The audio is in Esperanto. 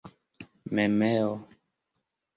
memeo